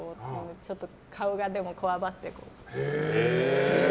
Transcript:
ちょっと顔がこわばって。